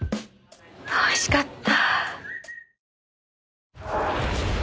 おいしかった。